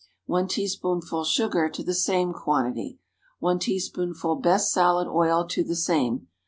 1 teaspoonful sugar to the same quantity. 1 teaspoonful best salad oil to the same.